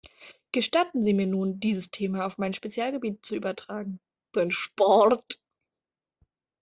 Gestatten Sie mir nun, dieses Thema auf mein Spezialgebiet zu übertragen, den Sport.